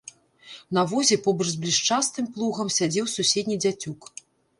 На возе, побач з блішчастым плугам сядзеў суседні дзяцюк.